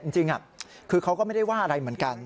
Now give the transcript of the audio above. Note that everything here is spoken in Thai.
จริงคือเขาก็ไม่ได้ว่าอะไรเหมือนกัน